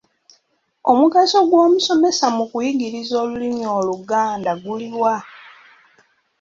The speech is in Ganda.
Omugaso gw’omusomesa mu kuyigiriza olulimi Oluganda guli wa?